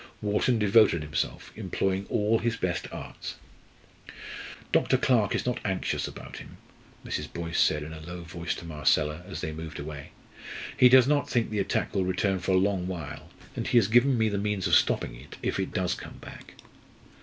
Wharton devoted himself, employing all his best arts. "Dr. Clarke is not anxious about him," Mrs. Boyce said in a low voice to Marcella as they moved away. "He does not think the attack will return for a long while, and he has given me the means of stopping it if it does come back."